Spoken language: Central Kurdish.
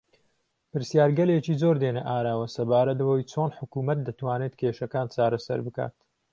پرسیارگەلێکی زۆر دێنە ئاراوە سەبارەت بەوەی چۆن حکوومەت دەتوانێت کێشەکان چارەسەر بکات